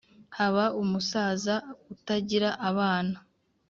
haba umusaza utagira abana